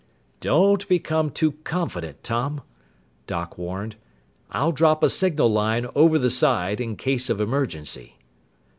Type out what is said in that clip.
"Don't become too confident, Tom," Doc warned. "I'll drop a signal line over the side in case of emergency."